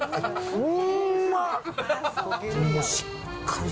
うんまっ！